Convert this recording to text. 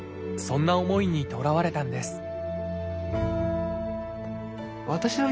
そんな思いにとらわれたんです